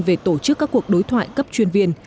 về tổ chức các cuộc đối thoại cấp chuyên viên